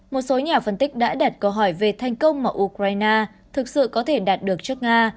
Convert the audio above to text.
một số nhà phân tích đã đặt câu hỏi về thành công mà ukraine thực sự có thể đạt được trước nga